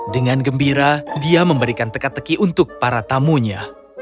dengan gembira dia memberikan teka teki untuk para tamunya